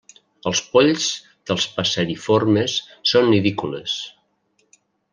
Els polls dels passeriformes són nidícoles.